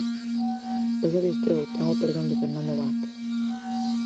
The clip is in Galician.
Hoxe adestrou, ten o perdón de Fernando Vázquez.